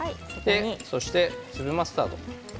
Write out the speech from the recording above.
そして粒マスタード。